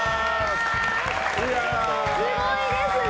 すごいですね！